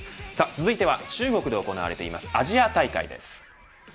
続いては、中国で行われていますアジア大会です。